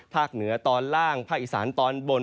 เหนือตอนล่างภาคอีสานตอนบน